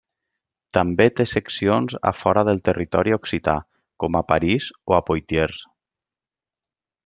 També té seccions a fora del territori occità, com a París o a Poitiers.